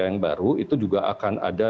yang baru itu juga akan ada